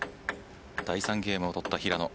第３ゲームを取った平野。